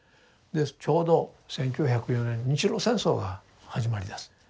ちょうど１９０４年日露戦争が始まりだす。